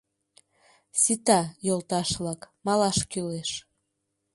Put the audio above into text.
— Сита, йолташ-влак, малаш кӱлеш.